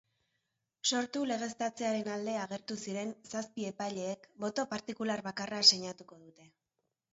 Sortu legeztatzearen alde agertu ziren zazpi epaileek boto partikular bakarra sinatuko dute.